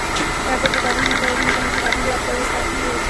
Petro-carbon সংস্থার অধীনে এখানে একটি কার্বন-ব্ল্যাক তৈরির কারখানা রয়েছে।